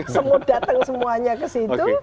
semua datang semuanya kesitu